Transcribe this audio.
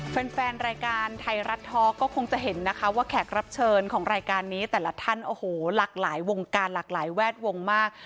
แฟนรายการไทยรัฐท้อก็คงจะเห็นนะคะว่าแขกรับเชิญของรายการนี้แต่ละท่านโอ้โหหลากหลายวงการหลากหลายแวดวงมาก